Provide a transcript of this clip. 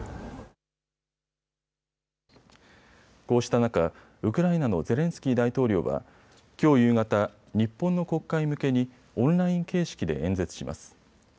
こうした中、ウクライナのゼレンスキー大統領はきょう夕方、日本の国会向けにオンライン形式で演説します。